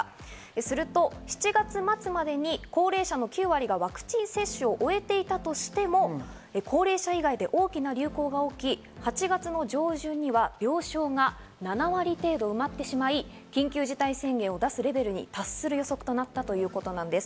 すると７月末までに高齢者の９割がワクチン接種を終えていたとしても、高齢者以外で大きな流行が起き、８月の上旬には病床が７割程度が埋まってしまい、緊急事態宣言を出すレベルに達する予測となったということなんです。